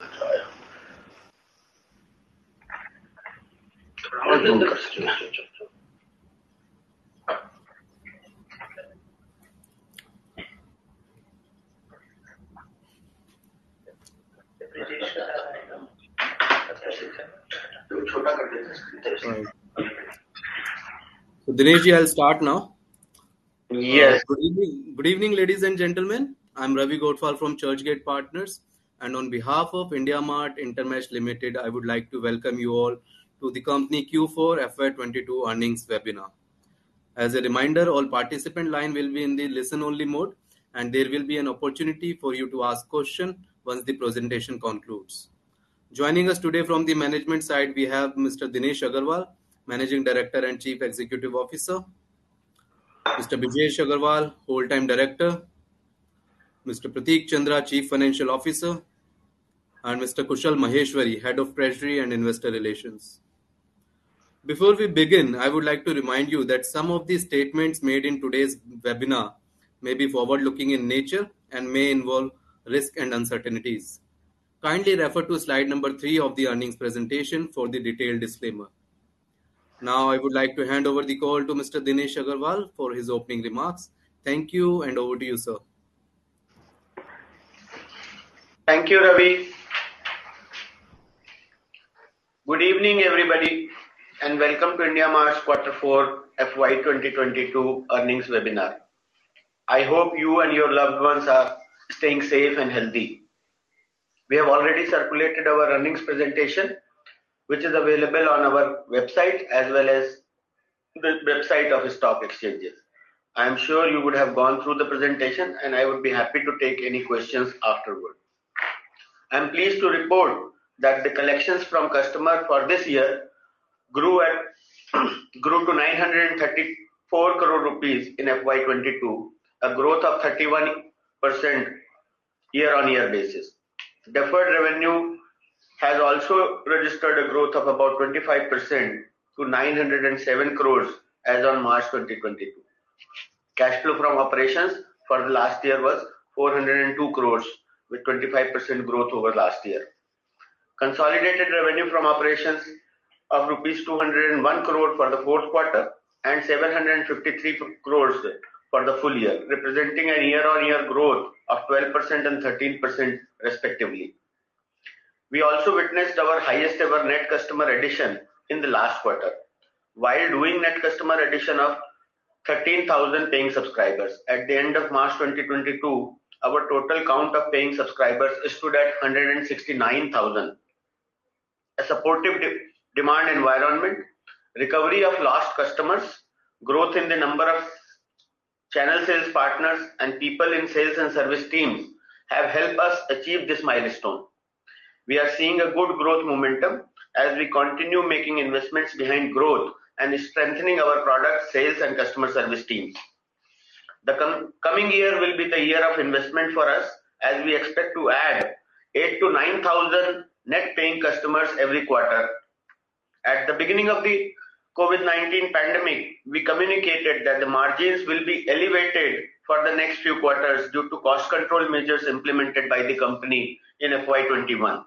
Good evening. Good evening, ladies and gentlemen. I'm Ravi Gothwal from Churchgate Partners, and on behalf of IndiaMART InterMESH Limited, I would like to welcome you all to the company Q4 FY 2022 earnings webinar. As a reminder, all participant line will be in the listen-only mode, and there will be an opportunity for you to ask question once the presentation concludes. Joining us today from the management side, we have Mr. Dinesh Agarwal, Managing Director and Chief Executive Officer, Mr. Brijesh Agrawal, Whole-time Director, Mr. Prateek Chandra, Chief Financial Officer, and Mr. Kushal Maheshwari, Head of Treasury and Investor Relations. Before we begin, I would like to remind you that some of the statements made in today's webinar may be forward-looking in nature and may involve risk and uncertainties. Kindly refer to slide number three of the earnings presentation for the detailed disclaimer. Now I would like to hand over the call to Mr. Dinesh Agarwal for his opening remarks. Thank you, and over to you, sir. Thank you, Ravi. Good evening, everybody, and welcome to IndiaMART's Quarter Four FY 2022 Earnings Webinar. I hope you and your loved ones are staying safe and healthy. We have already circulated our earnings presentation, which is available on our website as well as the website of stock exchanges. I'm sure you would have gone through the presentation, and I would be happy to take any questions afterwards. I'm pleased to report that the collections from customers for this year grew to 934 crore rupees in FY 2022, a growth of 31% year-on-year basis. Deferred revenue has also registered a growth of about 25% to 907 crore as on March 2022. Cash flow from operations for last year was 402 crore with 25% growth over last year. Consolidated revenue from operations of rupees 201 crore for the fourth quarter and 753 crore for the full year, representing a year-on-year growth of 12% and 13% respectively. We also witnessed our highest ever net customer addition in the last quarter, while doing net customer addition of 13,000 paying subscribers. At the end of March 2022, our total count of paying subscribers stood at 169,000. A supportive demand environment, recovery of lost customers, growth in the number of channel sales partners and people in sales and service teams have helped us achieve this milestone. We are seeing a good growth momentum as we continue making investments behind growth and strengthening our product sales and customer service teams. The coming year will be the year of investment for us as we expect to add 8,000-9,000 net paying customers every quarter. At the beginning of the COVID-19 pandemic, we communicated that the margins will be elevated for the next few quarters due to cost control measures implemented by the company in FY 2021.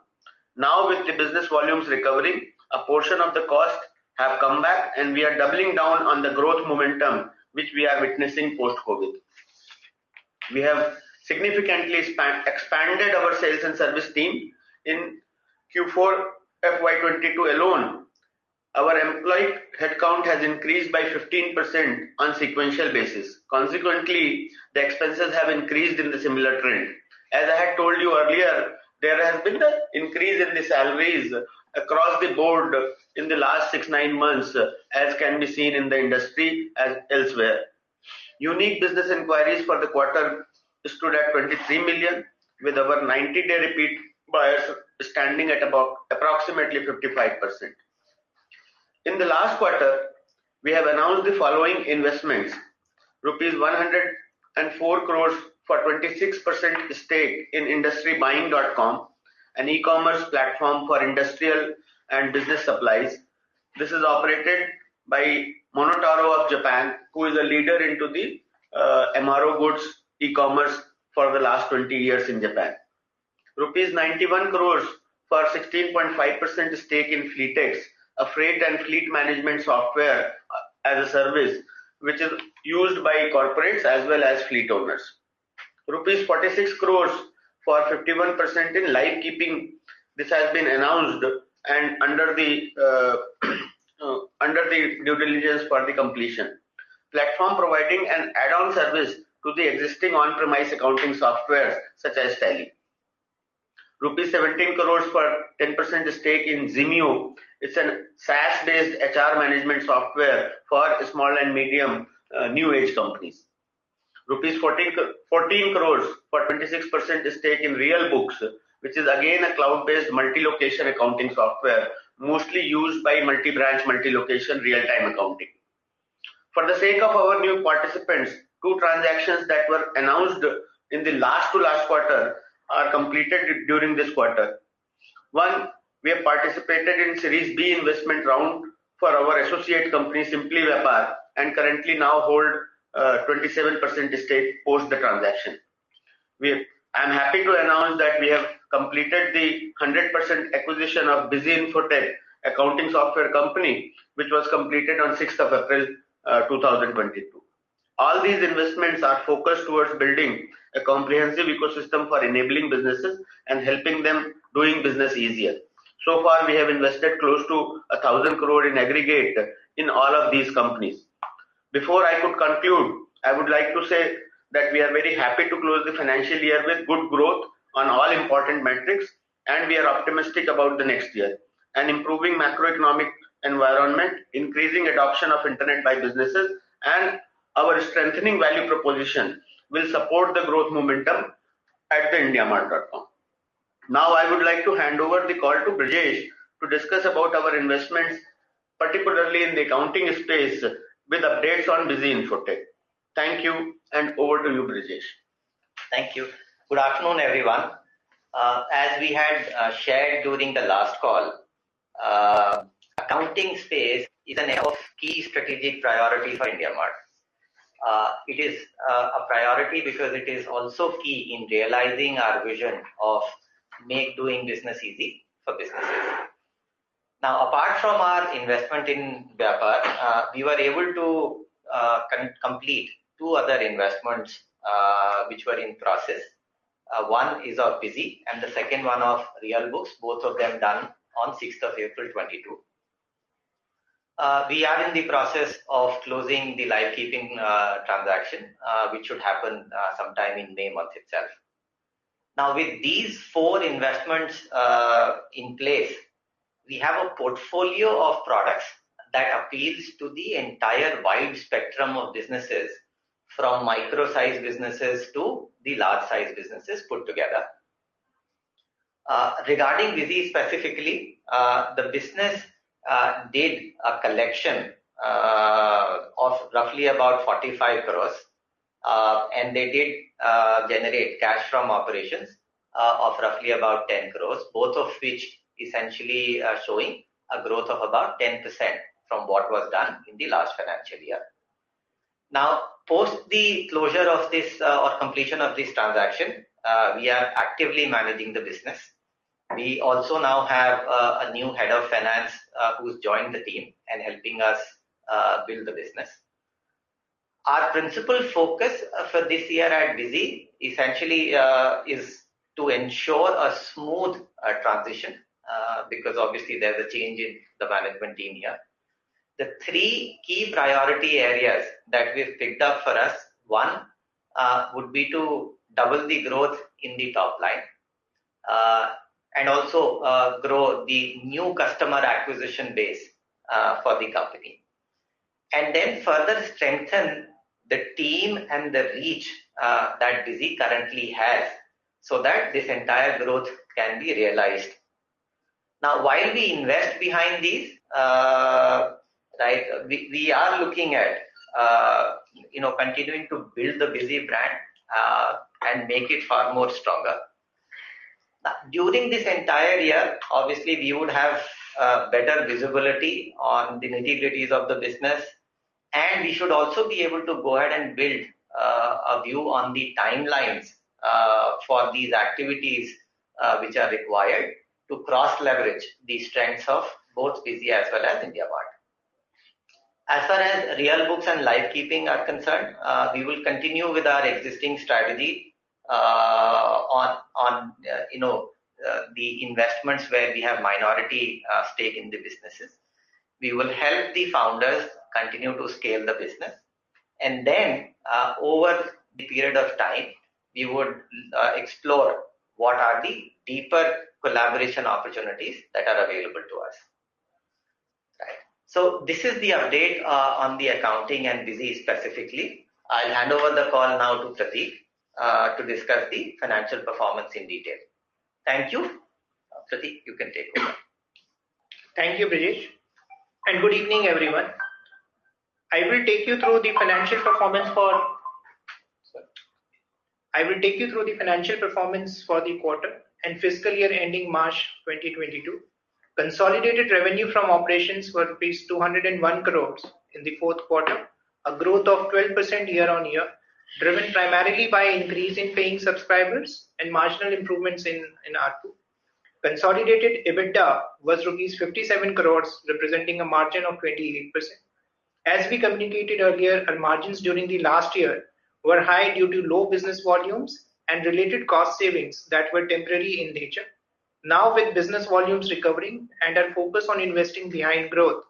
Now, with the business volumes recovering, a portion of the cost have come back and we are doubling down on the growth momentum which we are witnessing post-COVID. We have significantly expanded our sales and service team. In Q4 FY 2022 alone, our employee headcount has increased by 15% on sequential basis. Consequently, the expenses have increased in the similar trend. As I had told you earlier, there has been an increase in the salaries across the board in the last six, nine months, as can be seen in the industry as elsewhere. Unique business inquiries for the quarter stood at 23 million, with our 90-day repeat buyers standing at about approximately 55%. In the last quarter, we have announced the following investments. Rupees 104 crore for 26% stake in IndustryBuying.com, an eCommerce platform for industrial and business supplies. This is operated by MonotaRO of Japan, who is a leader in the MRO goods eCommerce for the last 20 years in Japan. Rupees 91 crore for 16.5% stake in Fleetx, a freight and fleet management software as a service which is used by corporates as well as fleet owners. Rupees 46 crore for 51% in Livekeeping. This has been announced and under the due diligence for the completion. Platform providing an add-on service to the existing on-premise accounting software such as Tally. Rupees 17 crore for 10% stake in Zimyo. It's a SaaS-based HR management software for small and medium new-age companies. Rupees 14 crore for 26% stake in RealBooks, which is again a cloud-based multi-location accounting software, mostly used by multi-branch, multi-location, real-time accounting. For the sake of our new participants, two transactions that were announced in the last to last quarter are completed during this quarter. One, we have participated in Series B investment round for our associate company, Simply Vyapar, and currently now hold 27% stake post the transaction. I'm happy to announce that we have completed the 100% acquisition of Busy Infotech, accounting software company, which was completed on 6th of April, 2022. All these investments are focused towards building a comprehensive ecosystem for enabling businesses and helping them doing business easier. So far, we have invested close to 1,000 crore in aggregate in all of these companies. Before I could conclude, I would like to say that we are very happy to close the financial year with good growth on all important metrics, and we are optimistic about the next year. An improving macroeconomic environment, increasing adoption of internet by businesses, and our strengthening value proposition will support the growth momentum at IndiaMART.com. Now, I would like to hand over the call to Brijesh to discuss about our investments, particularly in the accounting space, with updates on Busy Infotech. Thank you, and over to you, Brijesh. Thank you. Good afternoon, everyone. As we had shared during the last call, accounting space is a key strategic priority for IndiaMART. It is a priority because it is also key in realizing our vision of make doing business easy for businesses. Now, apart from our investment in Vyapar, we were able to complete two other investments, which were in process. One is of Busy and the second one of RealBooks, both of them done on 6th of April 2022. We are in the process of closing the Livekeeping transaction, which should happen sometime in May month itself. Now, with these four investments in place, we have a portfolio of products that appeals to the entire wide spectrum of businesses, from micro-sized businesses to the large-sized businesses put together. Regarding Busy specifically, the business did a collection of roughly about 45 crore. They did generate cash from operations of roughly about 10 crore, both of which essentially are showing a growth of about 10% from what was done in the last financial year. Now, post the closure of this or completion of this transaction, we are actively managing the business. We also now have a new head of finance who's joined the team and helping us build the business. Our principal focus for this year at Busy essentially is to ensure a smooth transition because obviously there's a change in the management team here. The three key priority areas that we've picked up for us, one, would be to double the growth in the top line, and also, grow the new customer acquisition base, for the company. Then further strengthen the team and the reach, that Busy currently has, so that this entire growth can be realized. Now, while we invest behind these, like we are looking at, you know, continuing to build the Busy brand, and make it far more stronger. During this entire year, obviously, we would have, better visibility on the nitty-gritties of the business, and we should also be able to go ahead and build, a view on the timelines, for these activities, which are required to cross-leverage the strengths of both Busy as well as IndiaMART. As far as RealBooks and Livekeeping are concerned, we will continue with our existing strategy on you know the investments where we have minority stake in the businesses. We will help the founders continue to scale the business. And then over the period of time, we would explore what are the deeper collaboration opportunities that are available to us. Right. This is the update on the accounting and Busy specifically. I'll hand over the call now to Prateek to discuss the financial performance in detail. Thank you. Prateek, you can take it away. Thank you, Brijesh. Good evening, everyone. I will take you through the financial performance for the quarter and fiscal year ending March 2022. Consolidated revenue from operations were rupees 201 crore in the fourth quarter, a growth of 12% year-on-year, driven primarily by increase in paying subscribers and marginal improvements in ARPU. Consolidated EBITDA was 57 crore rupees, representing a margin of 28%. As we communicated earlier, our margins during the last year were high due to low business volumes and related cost savings that were temporary in nature. Now, with business volumes recovering and our focus on investing behind growth.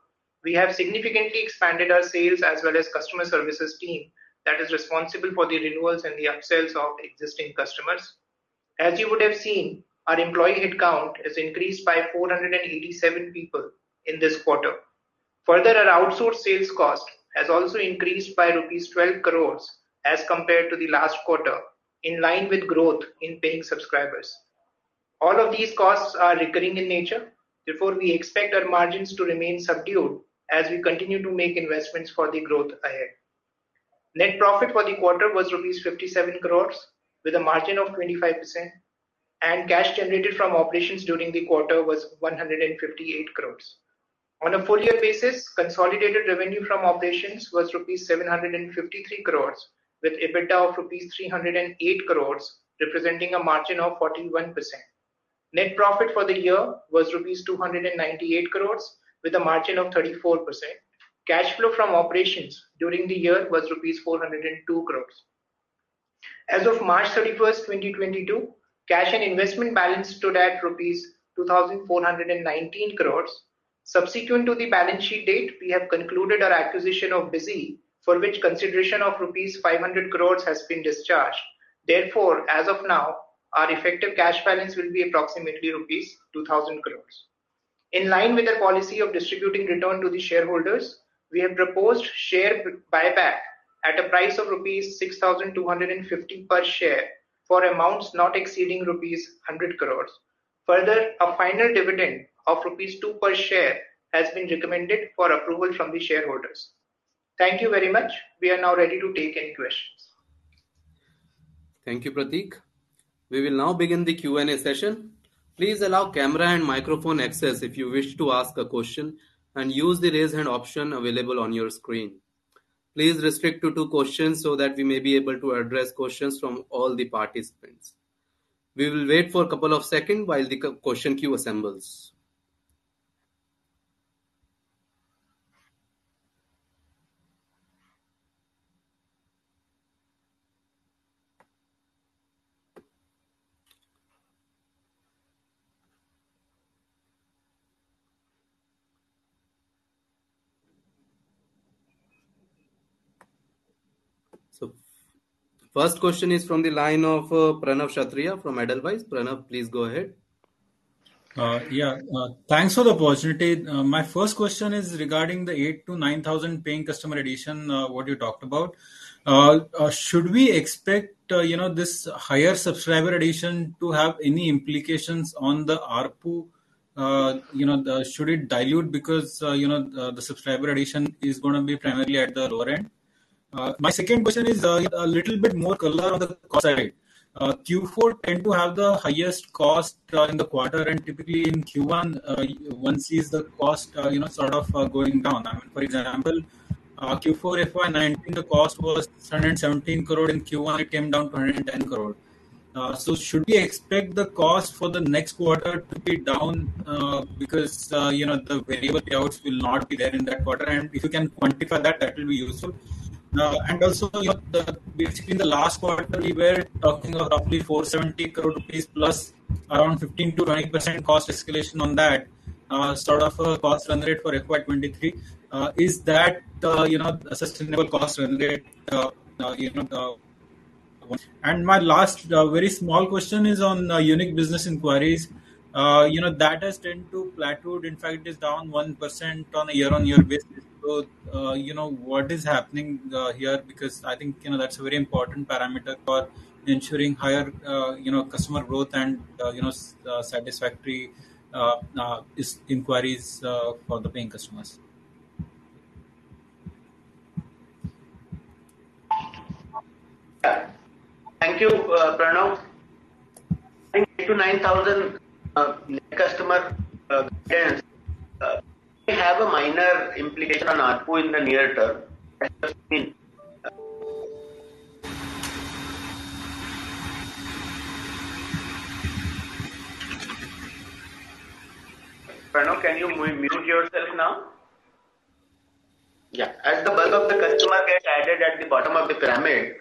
We have significantly expanded our sales as well as customer services team that is responsible for the renewals and the upsells of existing customers. As you would have seen, our employee headcount has increased by 487 people in this quarter. Further, our outsourced sales cost has also increased by rupees 12 crore as compared to the last quarter, in line with growth in paying subscribers. All of these costs are recurring in nature. Therefore, we expect our margins to remain subdued as we continue to make investments for the growth ahead. Net profit for the quarter was rupees 57 crore with a margin of 25%, and cash generated from operations during the quarter was 158 crore. On a full year basis, consolidated revenue from operations was rupees 753 crore, with EBITDA of rupees 308 crore, representing a margin of 41%. Net profit for the year was rupees 298 crore with a margin of 34%. Cash flow from operations during the year was rupees 402 crore. As of March 31st, 2022, cash and investment balance stood at rupees 2,419 crore. Subsequent to the balance sheet date, we have concluded our acquisition of Bizom, for which consideration of rupees 500 crore has been discharged. Therefore, as of now, our effective cash balance will be approximately rupees 2,000 crore. In line with our policy of distributing return to the shareholders, we have proposed share buyback at a price of rupees 6,250 per share for amounts not exceeding rupees 100 crores. Further, a final dividend of rupees 2 per share has been recommended for approval from the shareholders. Thank you very much. We are now ready to take any questions. Thank you, Prateek. We will now begin the Q&A session. Please allow camera and microphone access if you wish to ask a question and use the raise hand option available on your screen. Please restrict to two questions so that we may be able to address questions from all the participants. We will wait for a couple of second while the question queue assembles. First question is from the line of, Pranav Kshatriya from Edelweiss. Pranav, please go ahead. Yeah. Thanks for the opportunity. My first question is regarding the 8,000-9,000 paying customer addition, what you talked about. Should we expect, you know, this higher subscriber addition to have any implications on the ARPU? You know, should it dilute because, you know, the subscriber addition is gonna be primarily at the lower end? My second question is, a little bit more color on the cost side. Q4 tend to have the highest cost in the quarter, and typically in Q1, one sees the cost, you know, sort of, going down. I mean, for example, Q4 FY 2019, the cost was 317 crore. In Q1, it came down to 110 crore. Should we expect the cost for the next quarter to be down, because, you know, the variable payouts will not be there in that quarter? If you can quantify that will be useful. You know, between the last quarter, we were talking of roughly 470 crore rupees plus around 15%-20% cost escalation on that, sort of a cost run rate for FY 2023. Is that, you know, a sustainable cost run rate, you know? My last, very small question is on, unique business inquiries. You know, that has tended to plateau. In fact, it is down 1% on a year-on-year basis. You know, what is happening, here? Because I think, you know, that's a very important parameter for ensuring higher, you know, customer growth and, you know, satisfactory inquiries for the paying customers. Yeah. Thank you, Pranav. I think 8000-9000 net customer gains may have a minor implication on ARPU in the near term. Pranav, can you mute yourself now? Yeah. As the bulk of the customer get added at the bottom of the pyramid,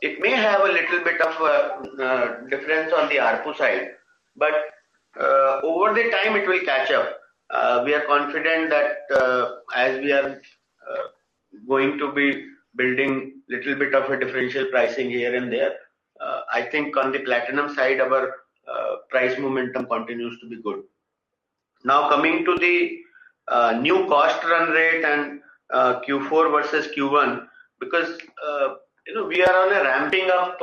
it may have a little bit of difference on the ARPU side, but over the time, it will catch up. We are confident that as we are going to be building little bit of a differential pricing here and there, I think on the platinum side, our price momentum continues to be good. Now, coming to the new cost run rate and Q4 vs Q1, because you know, we are on a ramping up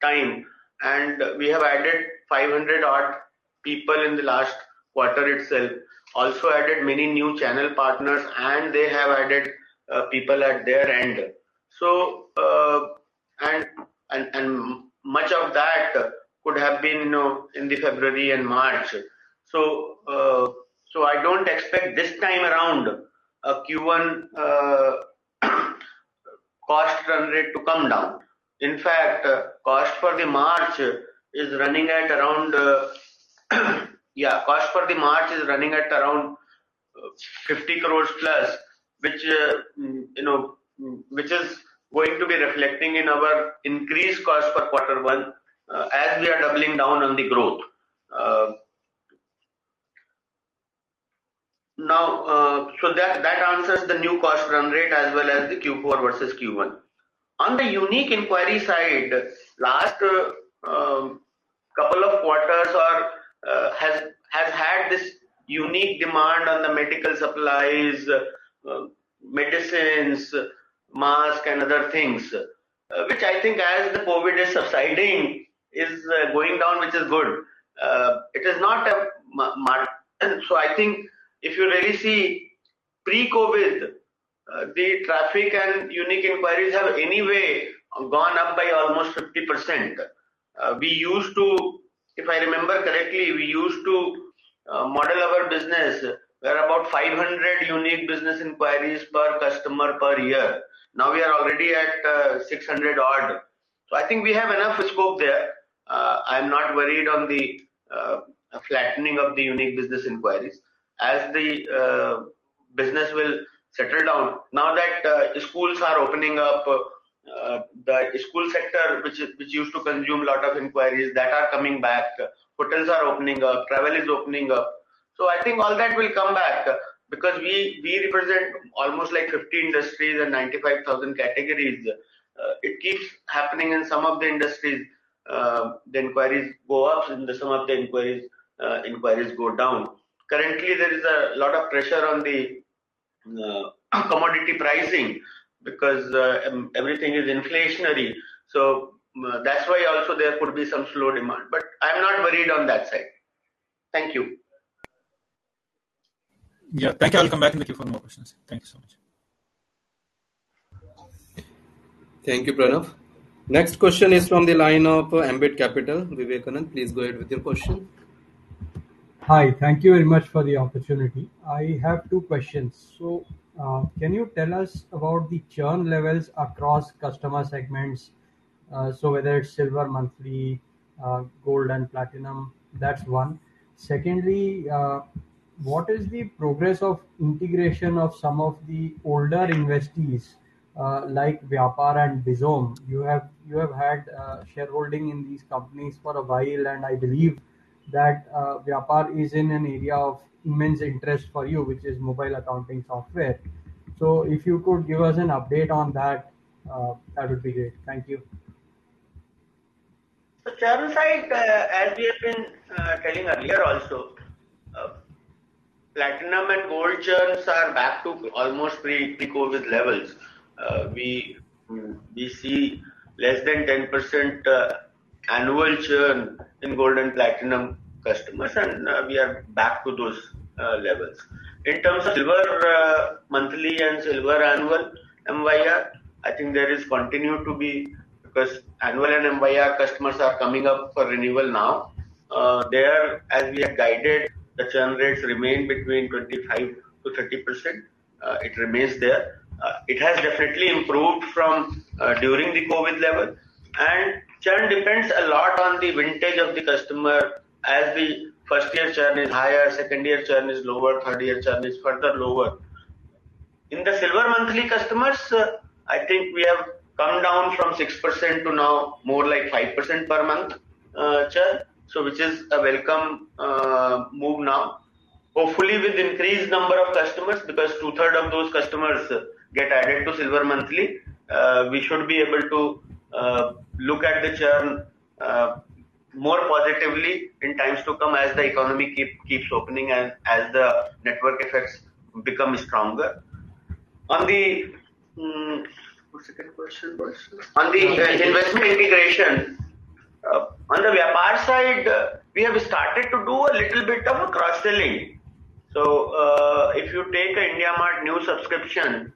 time, and we have added 500 odd people in the last quarter itself, also added many new channel partners, and they have added people at their end. And much of that could have been you know, in February and March. So, I don't expect this time around Q1 cost run rate to come down. In fact, cost for March is running at around 50 crores plus. you know, which is going to be reflecting in our increased cost for quarter one, as we are doubling down on the growth. Now, that answers the new cost run rate as well as the Q4 vs Q1. On the unique inquiry side, last couple of quarters has had this unique demand on the medical supplies, medicines, mask, and other things, which I think as the COVID is subsiding is going down, which is good. I think if you really see pre-COVID, the traffic and unique inquiries have anyway gone up by almost 50%. If I remember correctly, we used to model our business. There are about 500 unique business inquiries per customer per year. Now, we are already at 600 odd. So I think we have enough scope there. I'm not worried on the flattening of the unique business inquiries. As the business will settle down, now that schools are opening up, the school sector which used to consume lot of inquiries that are coming back. Hotels are opening up. Travel is opening up. So I think all that will come back because we represent almost like 50 industries and 95,000 categories. It keeps happening in some of the industries. The inquiries go up, in some of the inquiries go down. Currently, there is a lot of pressure on the commodity pricing because everything is inflationary. So that's why also there could be some slow demand. But I'm not worried on that side. Thank you. Yeah. Thank you. I'll come back to you for more questions. Thank you so much. Thank you, Pranav. Next question is from the line of Ambit Capital. Vivekanand, please go ahead with your question. Hi. Thank you very much for the opportunity. I have two questions. Can you tell us about the churn levels across customer segments, so whether it's silver monthly, gold and platinum? That's one. Secondly, what is the progress of integration of some of the older investees, like Vyapar and Bizom? You have had shareholding in these companies for a while, and I believe that Vyapar is in an area of immense interest for you, which is mobile accounting software. If you could give us an update on that would be great. Thank you. Churn side, as we have been telling earlier also, platinum and gold churns are back to almost pre-COVID levels. We see less than 10% annual churn in gold and platinum customers, and we are back to those levels. In terms of silver monthly and silver annual MYR, I think there is continued to be because annual and MYR customers are coming up for renewal now. There, as we have guided, the churn rates remain between 25%-30%. It remains there. It has definitely improved from during the COVID level. Churn depends a lot on the vintage of the customer as the first year churn is higher, second year churn is lower, third year churn is further lower. In the silver monthly customers, I think we have come down from 6% to now more like 5% per month churn. Which is a welcome move now. Hopefully, with increased number of customers, because 2/3 of those customers get added to silver monthly, we should be able to look at the churn more positively in times to come as the economy keeps opening and as the network effects become stronger. On the, what's the second question was? Investment integration. On the investment integration, on the Vyapar side, we have started to do a little bit of cross-selling. If you take a IndiaMART new subscription,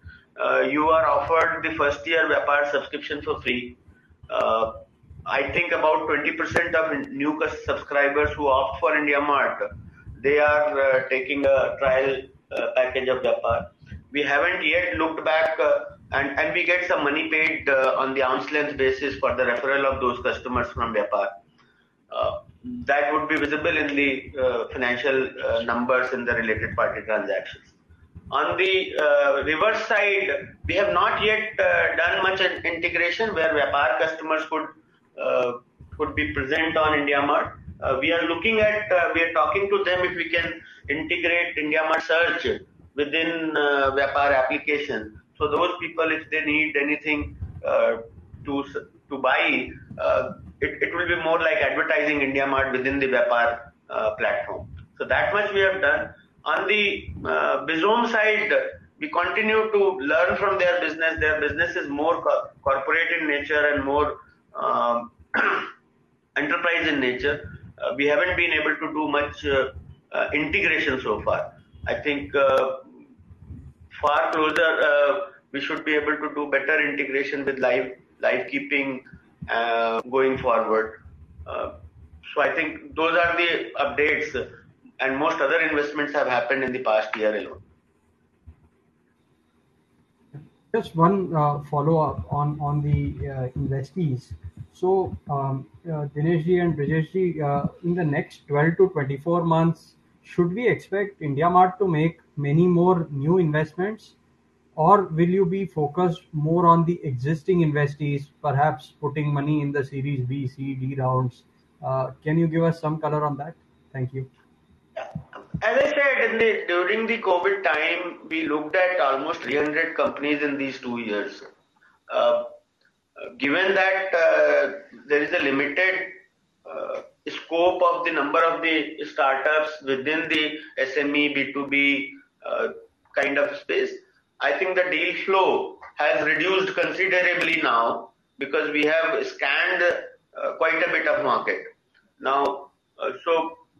you are offered the first year Vyapar subscription for free. I think about 20% of new subscribers who opt for IndiaMART, they are taking a trial package of Vyapar. We haven't yet looked back, and we get some money paid on an ongoing basis for the referral of those customers from Vyapar. That would be visible in the financial numbers in the related party transactions. On the reverse side, we have not yet done much in integration where Vyapar customers could be present on IndiaMART. We are talking to them if we can integrate IndiaMART Search within Vyapar application. Those people, if they need anything to buy it will be more like advertising IndiaMART within the Vyapar platform. That much we have done. On the Bizom side, we continue to learn from their business. Their business is more corporate in nature and more enterprise in nature. We haven't been able to do much integration so far. I think far closer we should be able to do better integration with Livekeeping going forward. I think those are the updates, and most other investments have happened in the past year alone. Just one follow-up on the investees. Dinesh Ji and Brijesh Ji, in the next 12-24 months, should we expect IndiaMART to make many more new investments? Or will you be focused more on the existing investees, perhaps putting money in the series B, C, D rounds? Can you give us some color on that? Thank you. As I said during the COVID time, we looked at almost 300 companies in these two years. Given that, there is a limited scope of the number of the startups within the SME B2B kind of space, I think the deal flow has reduced considerably now because we have scanned quite a bit of market.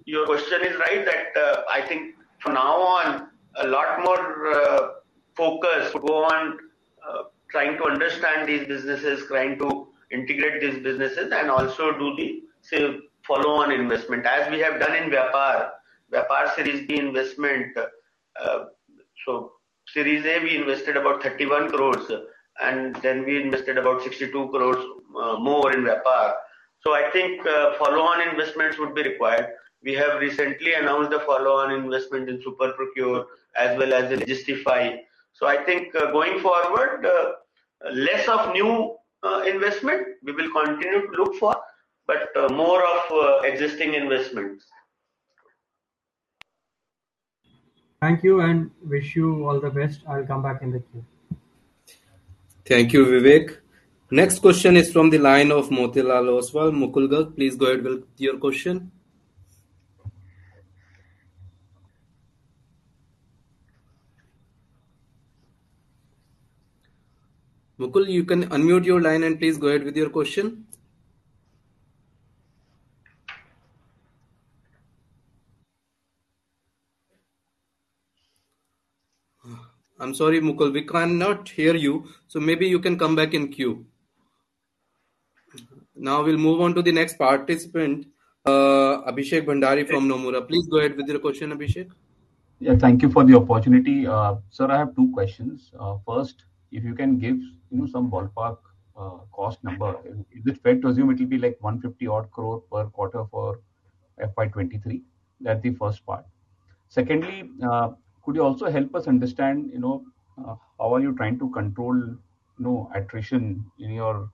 Your question is right that, I think from now on, a lot more focus go on trying to understand these businesses, trying to integrate these businesses, and also do the scale follow-on investment, as we have done in Vyapar series B investment. Series A, we invested about 31 crore, and then we invested about 62 crore more in Vyapar. I think follow-on investments would be required. We have recently announced a follow-on investment in SuperProcure as well as in Legistify. I think, going forward, less of new investment we will continue to look for, but more of existing investments. Thank you and wish you all the best. I'll come back in the queue. Thank you, Vivek. Next question is from the line of Motilal Oswal. Mukul Garg, please go ahead with your question. Mukul, you can unmute your line and please go ahead with your question. I'm sorry, Mukul. We cannot hear you, so maybe you can come back in queue. Now we'll move on to the next participant, Abhishek Bhandari from Nomura. Please go ahead with your question, Abhishek. Thank you for the opportunity. Sir, I have two questions. First, if you can give, you know, some ballpark, cost number. Is it fair to assume it will be like 150 odd crore per quarter for FY 2023? That's the first part. Secondly, could you also help us understand, you know, how are you trying to control, you know, attrition in your,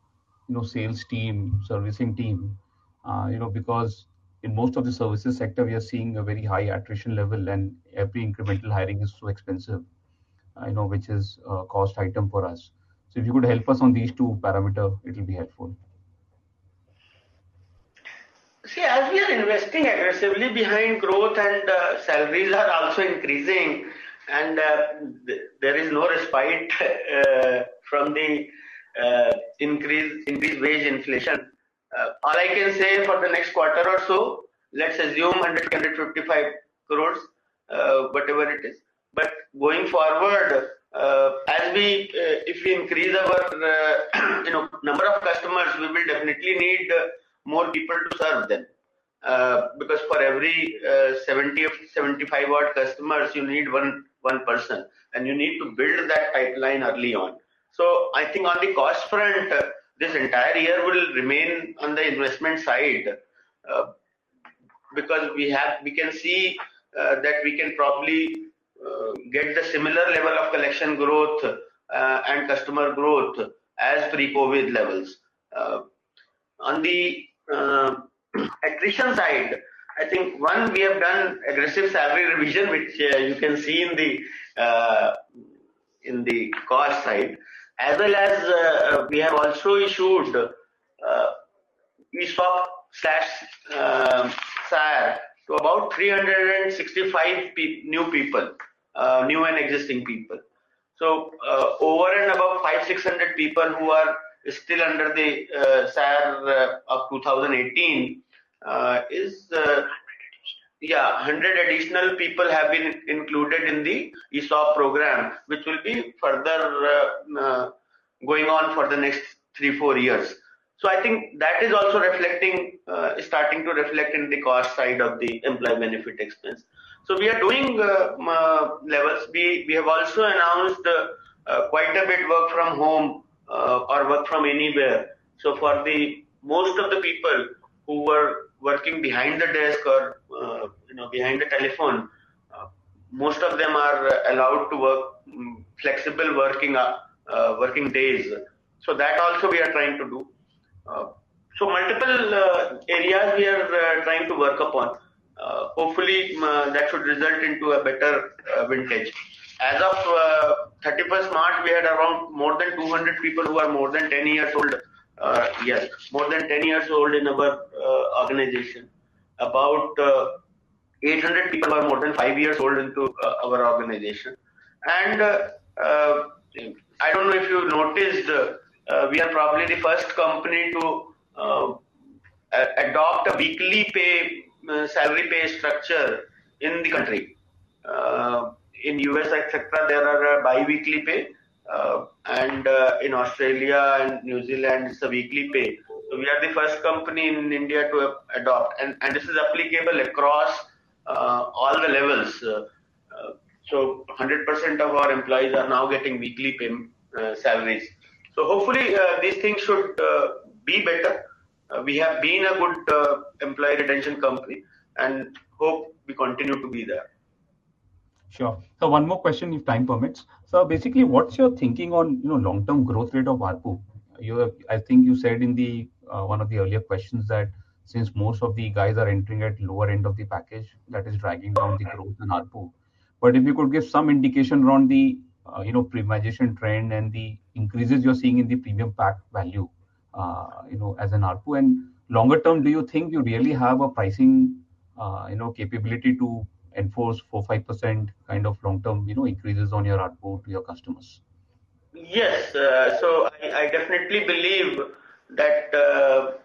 you know, sales team, servicing team? You know, because in most of the services sector, we are seeing a very high attrition level, and every incremental hiring is so expensive, I know, which is a cost item for us. If you could help us on these two parameters, it will be helpful. See, as we are investing aggressively behind growth and, salaries are also increasing and, there is no respite from the increasing wage inflation. All I can say for the next quarter or so, let's assume 100 crore-155 crore, whatever it is. Going forward, as we, if we increase our, you know, number of customers, we will definitely need more people to serve them. Because for every 70-75 odd customers, you need 1 person, and you need to build that pipeline early on. I think on the cost front, this entire year will remain on the investment side, because we can see that we can probably get the similar level of collection growth and customer growth as pre-COVID levels. On the attrition side, I think one, we have done aggressive salary revision, which you can see in the cost side, as well as we have also issued ESOPs/SAR to about 365 new and existing people. Over and above 500-600 people who are still under the SAR of 2018, is 100 additional. Yeah. 100 additional people have been included in the ESOP program, which will be further going on for the next three, years. I think that is also reflecting, starting to reflect in the cost side of the employee benefit expense. We are doing levels. We have also announced quite a bit work from home or work from anywhere. For the most of the people who were working behind the desk or, you know, behind the telephone, most of them are allowed to work flexible working days. That also we are trying to do. Multiple areas we are trying to work upon. Hopefully, that should result into a better vintage. As of 31st March, we had around more than 200 people who are more than 10 years old in our organization. About 800 people are more than five years old into our organization. I don't know if you noticed, we are probably the first company to adopt a weekly pay salary pay structure in the country. In U.S., etc., there are biweekly pay and in Australia and New Zealand, it's a weekly pay. We are the first company in India to adopt. This is applicable across levels. 100% of our employees are now getting weekly pay salaries. Hopefully, these things should be better. We have been a good employee retention company, and hope we continue to be that. Sure. One more question if time permits. Basically, what's your thinking on, you know, long-term growth rate of ARPU? You have, I think you said in the, one of the earlier questions that since most of the guys are entering at lower end of the package, that is dragging down the growth in ARPU. But if you could give some indication around the, you know, premiumization trend and the increases you're seeing in the premium pack value, you know, as an ARPU. And longer term, do you think you really have a pricing, you know, capability to enforce 4%, 5% kind of long-term, you know, increases on your ARPU to your customers? Yes. I definitely believe that the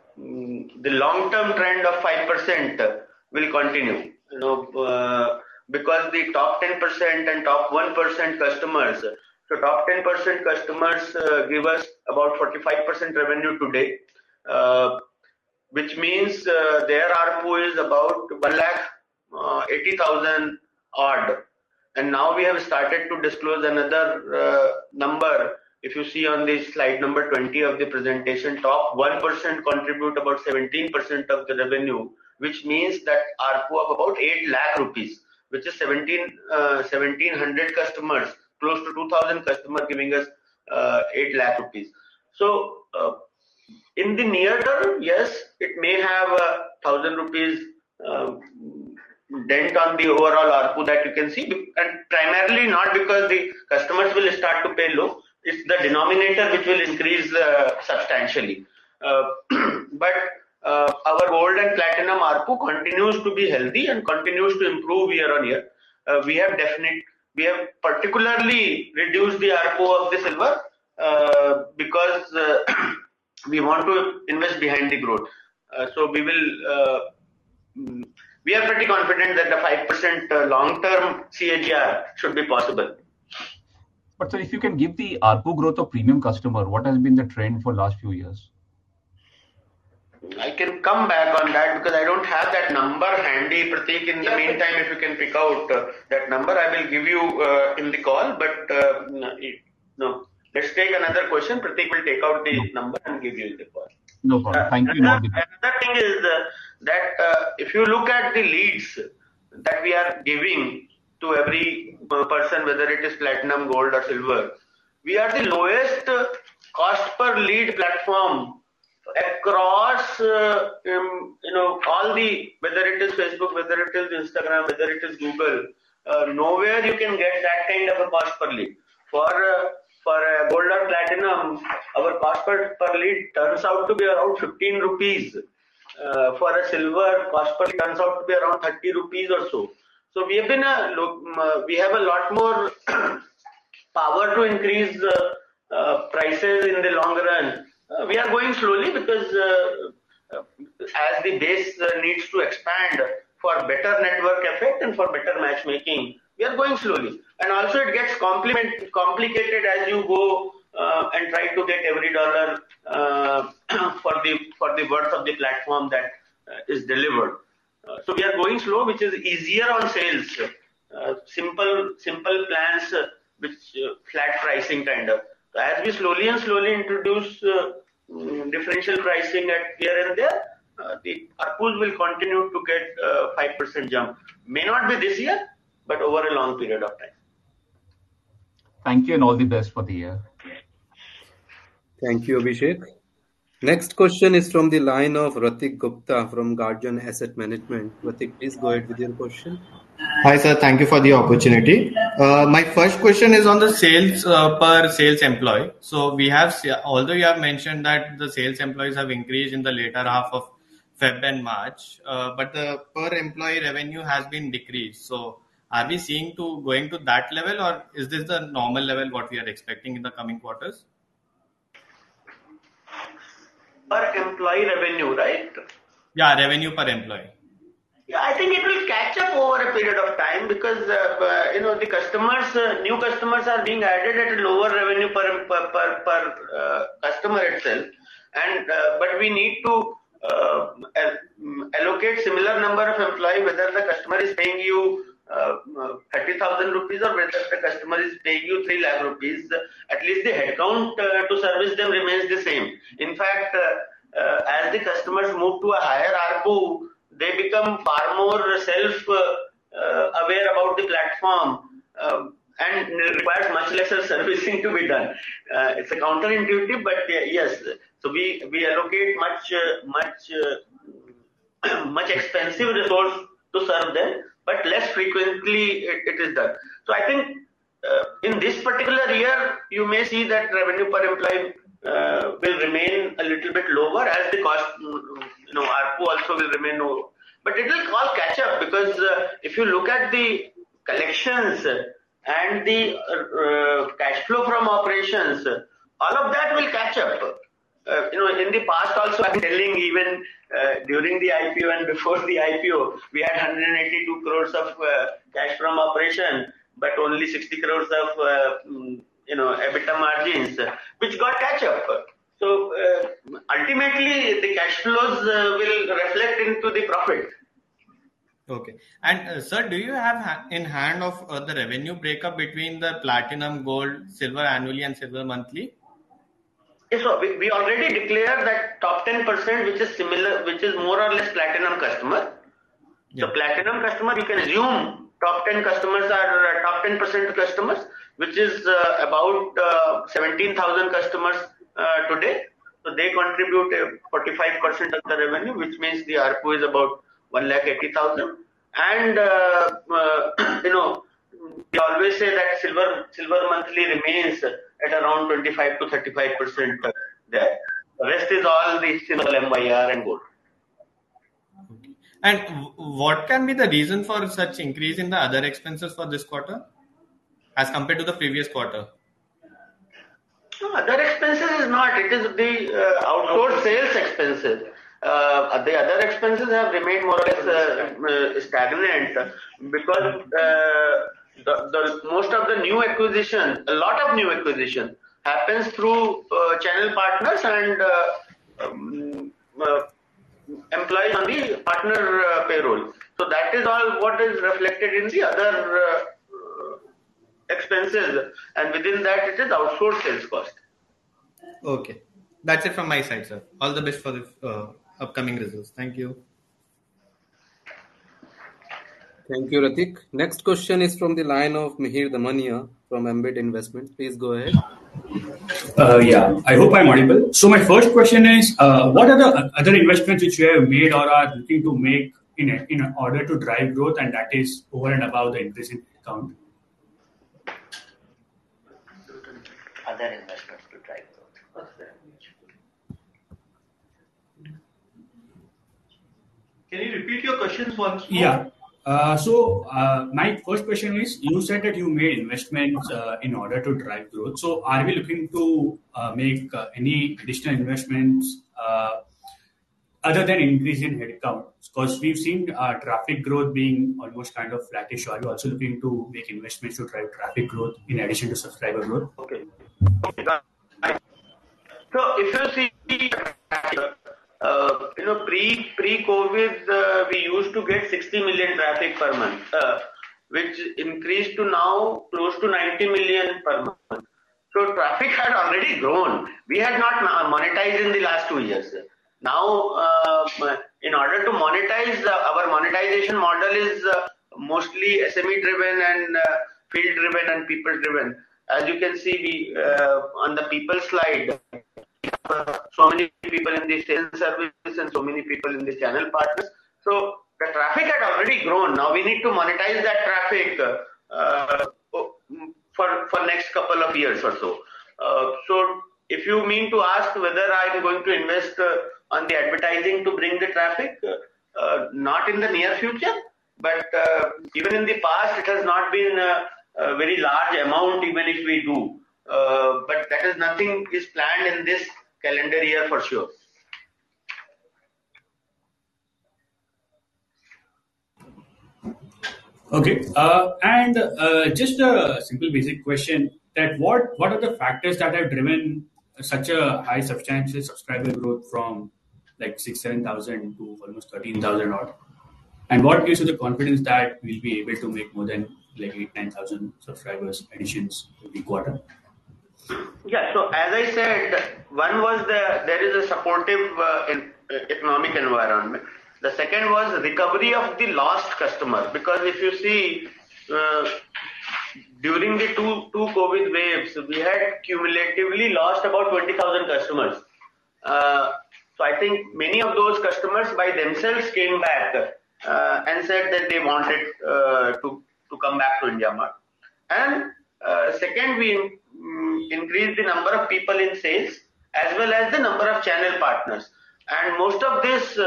long-term trend of 5% will continue. You know, because the top 10% and top 1% customers. Top 10% customers give us about 45% revenue today, which means their ARPU is about 180,000 odd. Now we have started to disclose another number. If you see on the slide number 20 of the presentation, top 1% contribute about 17% of the revenue, which means that ARPU of about 800,000 rupees, which is 1,700 customers, close to 2,000 customers giving us 800,000 rupees. In the near term, yes, it may have 1,000 rupees dent on the overall ARPU that you can see, and primarily not because the customers will start to pay low. It's the denominator which will increase substantially. Our Gold and Platinum ARPU continues to be healthy and continues to improve year-on-year. We have particularly reduced the ARPU of the Silver because we want to invest behind the growth. We are pretty confident that the 5% long-term CAGR should be possible. sir, if you can give the ARPU growth of premium customer, what has been the trend for last few years? I can come back on that because I don't have that number handy. Prateek, in the meantime, if you can pick out that number, I will give you in the call. No, let's take another question. Prateek will take out the number and give you in the call. No problem. Thank you. Another thing is that if you look at the leads that we are giving to every person, whether it is Platinum, Gold or Silver, we are the lowest cost per lead platform across, you know, whether it is Facebook, whether it is Instagram, whether it is Google. Nowhere you can get that kind of a cost per lead. For Gold or Platinum, our cost per lead turns out to be around 15 rupees. For a Silver, cost per lead turns out to be around 30 rupees or so. We have a lot more power to increase prices in the long run. We are going slowly because, as the base needs to expand for better network effect and for better matchmaking, we are going slowly. It gets complicated as you go and try to get every dollar for the worth of the platform that is delivered. We are going slow, which is easier on sales. Simple plans with flat pricing kind of. As we slowly introduce differential pricing here and there, the ARPUs will continue to get a 5% jump. May not be this year, but over a long period of time. Thank you, and all the best for the year. Thank you, Abhishek. Next question is from the line of Ratik Gupta from Guardian Asset Management. Ratik, please go ahead with your question. Hi, sir. Thank you for the opportunity. My first question is on the sales per sales employee. Although you have mentioned that the sales employees have increased in the later half of Feb and March, but the per employee revenue has been decreased. Are we seeing to going to that level, or is this the normal level, what we are expecting in the coming quarters? per employee revenue, right? Yeah, revenue per employee. Yeah, I think it will catch up over a period of time because, you know, the customers, new customers are being added at a lower revenue per customer itself and but we need to allocate similar number of employee, whether the customer is paying you 30,000 rupees or whether the customer is paying you 3 lakh rupees. At least the headcount to service them remains the same. In fact, as the customers move to a higher ARPU, they become far more self-aware about the platform, and requires much lesser servicing to be done. It's counterintuitive, but yes. We allocate much expensive resource to serve them, but less frequently it is done. I think in this particular year, you may see that revenue per employee will remain a little bit lower as the cost, you know, ARPU also will remain low. But it will all catch up because if you look at the collections and the cash flow from operations, all of that will catch up. You know, in the past also I'm telling even during the IPO and before the IPO, we had 182 crore of cash from operations, but only 60 crore of EBITDA margins, which will catch up. It will reflect into the profit. Okay. Sir, do you have in hand the revenue breakup between the Platinum, Gold, Silver annually, and Silver monthly? Yes. We already declared that top 10%, which is similar, which is more or less platinum customer. Yeah. Platinum customer, you can assume top 10 customers are top 10% customers, which is about 17,000 customers today. They contribute 45% of the revenue, which means the ARPU is about 1.8 lakh. You know, we always say that silver monthly remains at around 25%-35% there. The rest is all the silver MYR and gold. Okay. What can be the reason for such increase in the other expenses for this quarter as compared to the previous quarter? No, other expenses is not. It is the outsourced sales expenses. The other expenses have remained more or less stagnant because the most of the new acquisition, a lot of new acquisition happens through channel partners and employees on the partner payroll. That is all what is reflected in the other expenses, and within that it is outsourced sales cost. Okay. That's it from my side, sir. All the best for the upcoming results. Thank you. Thank you, Ratik. Next question is from the line of Mihir Damania from Ambit Investment Advisors. Please go ahead. Yeah. I hope I'm audible. My first question is, what are the other investments which you have made or are looking to make in order to drive growth, and that is over and above the increase in headcount? Other investments to drive growth. What's that? Can you repeat your questions once more? Yeah. My first question is, you said that you made investments in order to drive growth. Are you looking to make any additional investments other than increase in headcount? Because we've seen traffic growth being almost kind of flattish. Are you also looking to make investments to drive traffic growth in addition to subscriber growth? Okay. If you see, you know, pre-COVID, we used to get 60 million traffic per month, which increased to now close to 90 million per month. Traffic had already grown. We had not monetized in the last two years. Now, in order to monetize. Our monetization model is, mostly SME driven and, field driven and people driven. As you can see, on the people slide, we have so many people in the sales service and so many people in the channel partners. The traffic had already grown. Now we need to monetize that traffic, for next couple of years or so. If you mean to ask whether are we going to invest on the advertising to bring the traffic, not in the near future, but even in the past it has not been a very large amount, even if we do. But nothing is planned in this calendar year for sure. Just a simple basic question, what are the factors that have driven such a high substantial subscriber growth from like 6,000-7,000 to almost 13,000? What gives you the confidence that we'll be able to make more than like 8,000-9,000 subscriber additions every quarter? As I said, one was that there is a supportive economic environment. The second was recovery of the lost customer, because if you see, during the two COVID waves, we had cumulatively lost about 20,000 customers. I think many of those customers by themselves came back and said that they wanted to come back to IndiaMART. Second, we increased the number of people in sales as well as the number of channel partners. Most of this,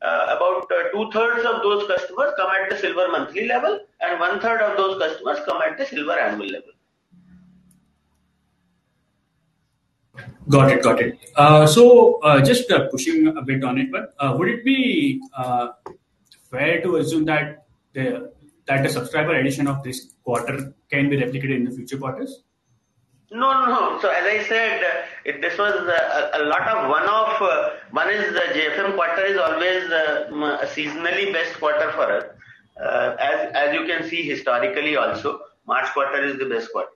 about 2/3 of those customers come at the silver monthly level, and 1/3 of those customers come at the silver annual level. Got it. Just pushing a bit on it, but would it be fair to assume that the subscriber addition of this quarter can be replicated in the future quarters? No, no. As I said, this was a lot of one-off. One is the JFM quarter is always a seasonally best quarter for us. As you can see historically also, March quarter is the best quarter.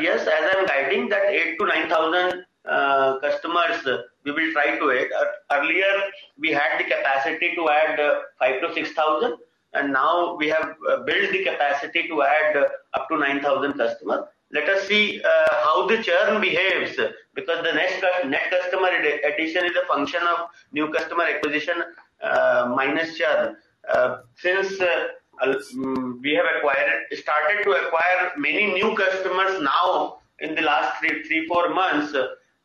Yes, as I'm guiding that 8,000-9,000 customers, we will try to add. Earlier we had the capacity to add 5,000-6,000, and now we have built the capacity to add up to 9,000 customer. Let us see how the churn behaves, because the next customer addition is a function of new customer acquisition minus churn. Since we have acquired, started to acquire many new customers now in the last three to four months,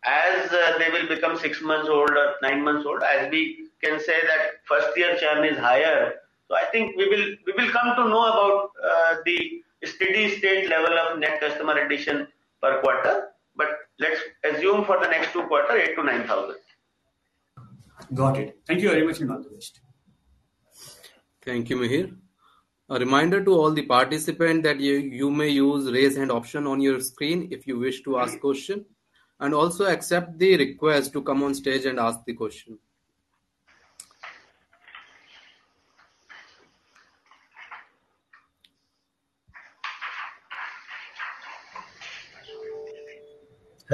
as they will become six months old or nine months old, as we can say that first year churn is higher. I think we will come to know about the steady state level of net customer addition per quarter. Let's assume for the next two quarters, 8,000-9,000. Got it. Thank you very much, and all the best. Thank you, Mihir. A reminder to all the participant that you may use Raise Hand option on your screen if you wish to ask question, and also accept the request to come on stage and ask the question.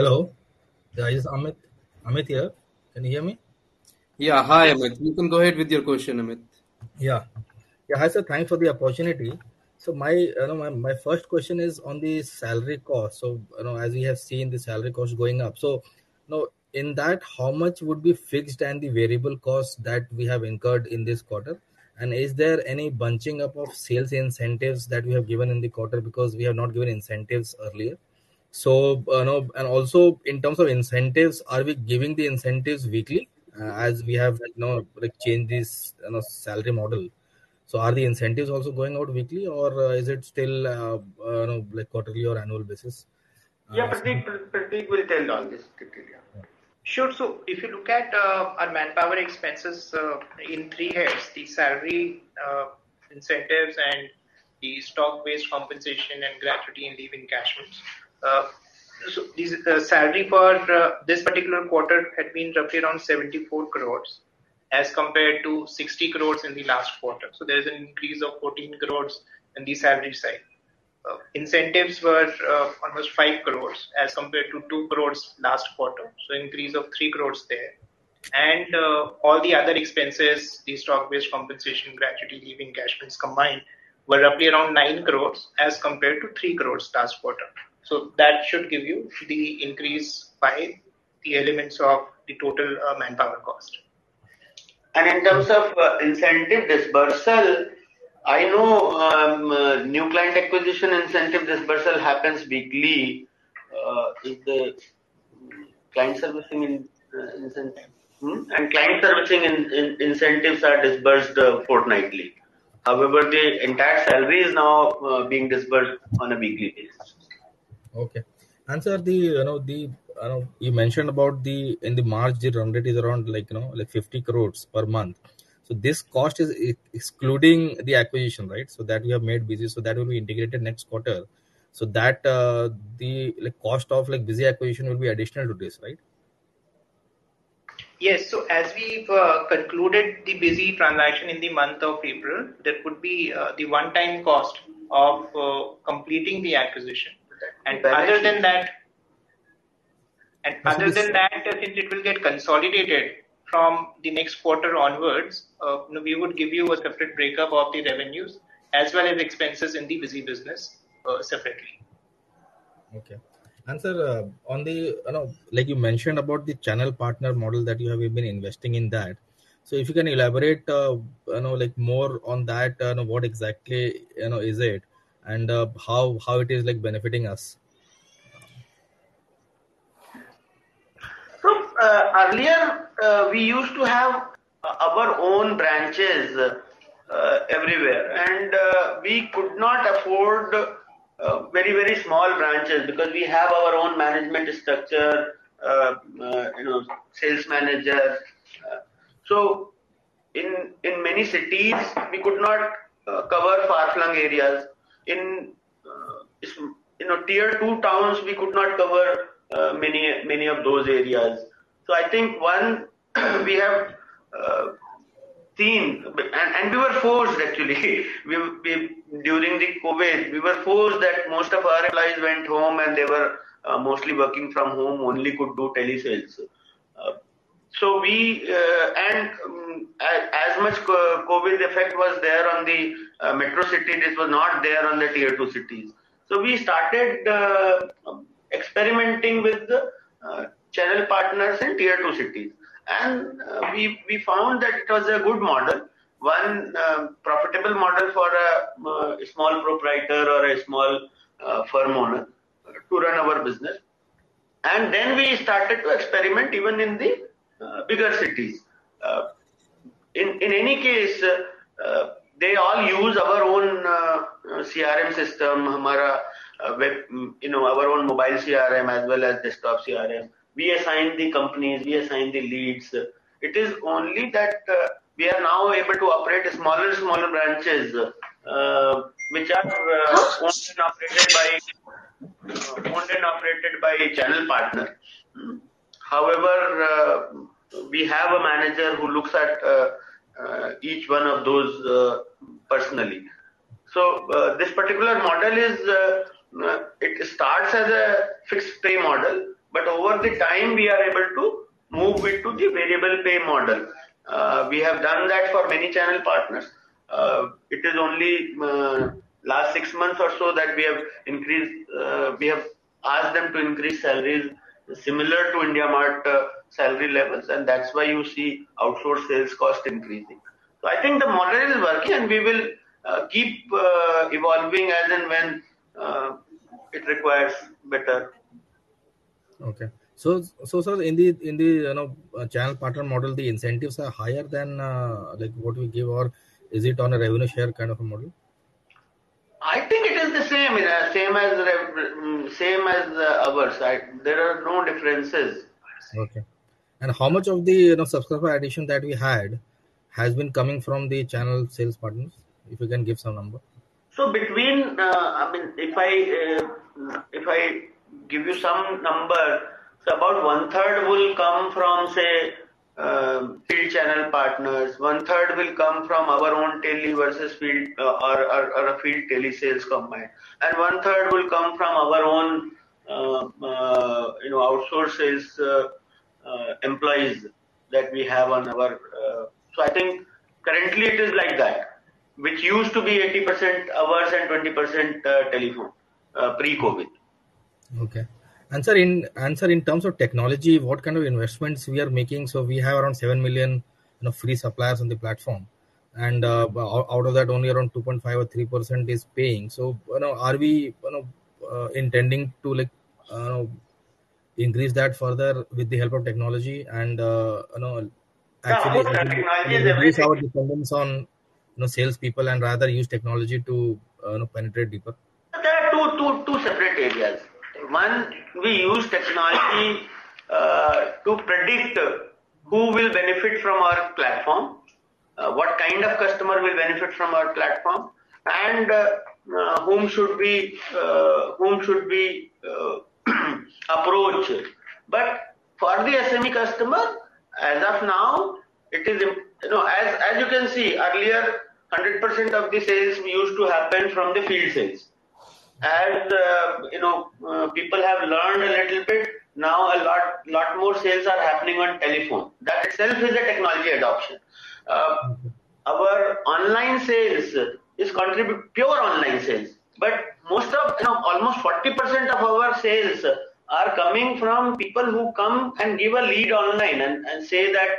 Hello. Yeah, it is Amit. Amit here. Can you hear me? Yeah. Hi, Amit. You can go ahead with your question, Amit. Yeah. Yeah. Hi, sir. Thanks for the opportunity. My, you know, my first question is on the salary cost. You know, as we have seen, the salary cost is going up. Now, in that, how much would be fixed and the variable costs that we have incurred in this quarter, and is there any bunching up of sales incentives that we have given in the quarter because we have not given incentives earlier? Now, and also in terms of incentives, are we giving the incentives weekly as we have right now, like, changed this, you know, salary model? Are the incentives also going out weekly or is it still you know, like quarterly or annual basis? Yeah. Prateek will tell you all this criteria. Sure. If you look at our manpower expenses in three heads, the salary, incentives and the stock-based compensation and gratuity and leave encashments. The salary for this particular quarter had been roughly around 74 crore as compared to 60 crore in the last quarter. There is an increase of 14 crore in the salary side. Incentives were almost 5 crore as compared to 2 crore last quarter, increase of 3 crore there. All the other expenses, the stock-based compensation, gratuity, leave encashments combined were roughly around 9 crore as compared to 3 crore last quarter. That should give you the increase by the elements of the total manpower cost. In terms of incentive disbursement, I know new client acquisition incentive disbursement happens weekly, if the client servicing in. Mm-hmm. Client servicing incentives are disbursed fortnightly. However, the entire salary is now being disbursed on a weekly basis. Okay. Sir, you know, you mentioned about the in March run rate is around like 50 crore per month. This cost is excluding the acquisition, right? That we have made Busy, so that will be integrated next quarter. That the like cost of Busy acquisition will be additional to this, right? Yes. As we've concluded the Busy transaction in the month of April, there could be the one-time cost of completing the acquisition. Okay. Other than that, I think it will get consolidated from the next quarter onwards. You know, we would give you a separate breakup of the revenues as well as expenses in the Busy business, separately. Okay. Sir, on the, you know, like you mentioned about the channel partner model that you have been investing in that. If you can elaborate, you know, like more on that, you know, what exactly, you know, is it and, how it is, like, benefiting us. Earlier, we used to have our own branches everywhere. We could not afford very small branches because we have our own management structure, you know, sales managers. In many cities we could not cover far-flung areas. In tier two towns, we could not cover many of those areas. I think one we have seen and we were forced actually. During COVID, we were forced that most of our employees went home, and they were mostly working from home, only could do telesales. As much COVID effect was there on the metro city, this was not there on the tier two cities. We started experimenting with channel partners in tier two cities. We found that it was a good model. A profitable model for a small proprietor or a small firm owner to run our business. Then we started to experiment even in the bigger cities. In any case, they all use our own CRM system, hamara, you know, our own mobile CRM as well as desktop CRM. We assign the companies, we assign the leads. It is only that we are now able to operate smaller and smaller branches, which are owned and operated by a channel partner. However, we have a manager who looks at each one of those personally. This particular model is. It starts as a fixed pay model, but over the time we are able to move it to the variable pay model. We have done that for many channel partners. It is only last six months or so that we have increased. We have asked them to increase salaries similar to IndiaMART salary levels, and that's why you see outdoor sales cost increasing. I think the model is working. We will keep evolving as and when it requires better. Sir, in the you know channel partner model, the incentives are higher than like what we give. Is it on a revenue share kind of a model? I think it is the same as ours. There are no differences per se. Okay. How much of the, you know, subscriber addition that we had has been coming from the channel sales partners? If you can give some number. I mean, if I give you some number, about 1/3 will come from, say, field channel partners, 1/3 will come from our own tele vs field, or a field tele sales combined, and 1/3 will come from our own, you know, outsource sales, employees that we have on our. I think currently it is like that, which used to be 80% ours and 20% telephone, pre-COVID. Okay. Sir, in terms of technology, what kind of investments are we making? We have around 7 million, you know, free suppliers on the platform, and out of that only around 2.5% or 3% is paying. You know, are we, you know, intending to, like, increase that further with the help of technology and, you know, actually- Yeah, of course, with technology there are many. Reduce our dependence on, you know, salespeople and rather use technology to, you know, penetrate deeper? There are two separate areas. One, we use technology to predict who will benefit from our platform, what kind of customer will benefit from our platform, and whom should we approach. For the SME customer, as of now it is. You know, as you can see, earlier 100% of the sales used to happen from the field sales. As you know, people have learned a little bit, now a lot more sales are happening on telephone. That itself is a technology adoption. Our online sales is contribute pure online sales, but most of, you know, almost 40% of our sales are coming from people who come and give a lead online and say that,